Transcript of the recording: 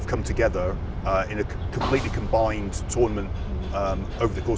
berkumpul dalam pertandingan yang berkumpul